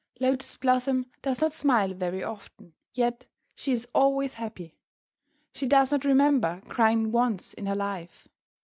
Lotus Blossom does not smile very often, yet she is always happy. She does not remember crying once in her life.